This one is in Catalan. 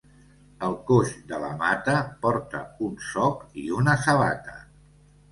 El coix de la Mata porta un soc i una sabata.